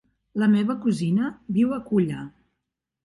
La meva cosina viu a Culla.